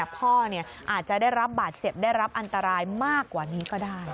พ่ออาจจะได้รับบาดเจ็บได้รับอันตรายมากกว่านี้ก็ได้